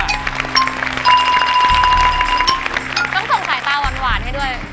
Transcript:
ต้องขนไสตาหวานให้ด้วย